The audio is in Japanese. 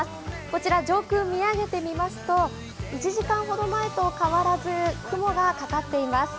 こちら、上空見上げてみますと、１時間ほど前と変わらず雲がかかっています。